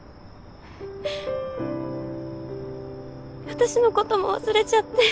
私のことも忘れちゃって。